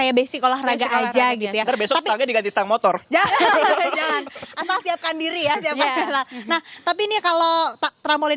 harga aja gitu ya besoknya diganti stang motor asal siapkan diri ya tapi ini kalau trampolin